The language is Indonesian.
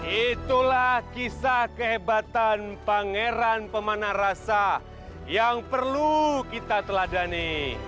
itulah kisah kehebatan pangeran pemanah rasa yang perlu kita teladani